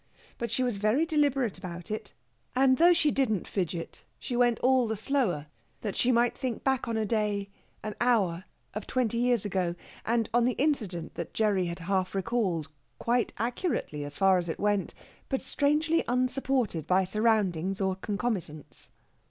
But she was very deliberate about it; and though she didn't fidget, she went all the slower that she might think back on a day an hour of twenty years ago, and on the incident that Gerry had half recalled, quite accurately as far as it went, but strangely unsupported by surroundings or concomitants.